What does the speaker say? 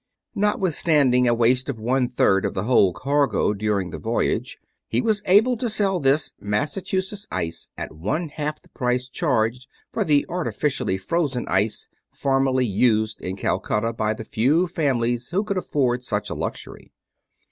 Notwithstanding a waste of one third of the whole cargo during the voyage, he was able to sell this Massachusetts ice at one half the price charged for the artificially frozen ice formerly used in Calcutta by the few families who could afford such a luxury.